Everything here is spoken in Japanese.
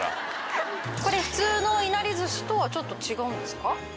これ普通のいなり寿司とはちょっと違うんですか？